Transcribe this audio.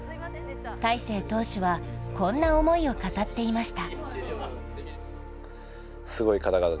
大勢投手はこんな思いを語っていました。